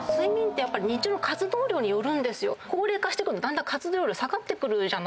高齢化してくるとだんだん活動量が下がってくるじゃない。